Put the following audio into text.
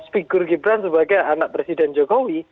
figur gibran sebagai anak presiden jokowi